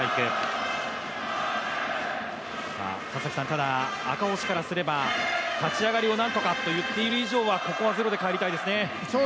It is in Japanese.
ただ、赤星からすれば、立ち上がりをなんとかと言っている以上はここはゼロでかえりたいですね。